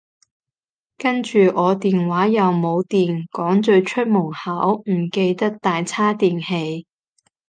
跟住我電話又冇電，趕住出門口，唔記得帶叉電器